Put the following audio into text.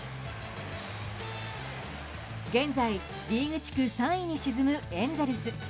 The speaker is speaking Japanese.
現在、リーグ地区３位に沈むエンゼルス。